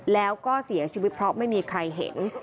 แล้วก็เสียชีวิตเพราะไม่มีใครเห็น